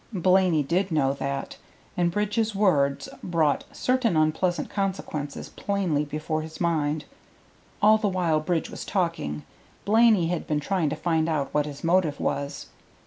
Blaney did know that, and Bridge's words brought certain unpleasant consequences plainly before his mind. All the while Bridge was talking Blaney had been trying to find out what his motive was.